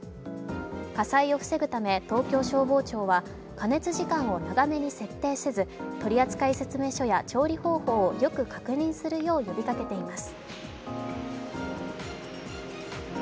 火災を防ぐため東京消防庁は、加熱時間を長めに設定せず、取扱説明書や調理方法をよく確認するよう呼びかけています。